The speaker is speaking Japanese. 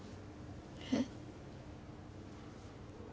えっ？